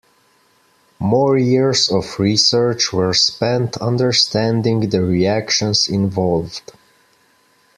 More years of research were spent understanding the reactions involved.